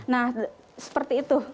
nah seperti itu